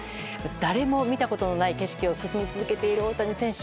誰も見たことのない景色を進み続けている大谷選手